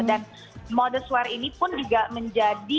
dan modest wear ini pun juga menjadi